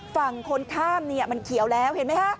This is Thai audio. ฝั่งคนข้ามเนี่ยมันเขียวแล้วเห็นไหมฮะ